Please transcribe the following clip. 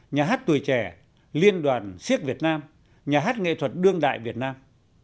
nhà hát tuổi trẻ liên đoàn siếc việt nam nhà hát nghệ thuật đương đại việt nam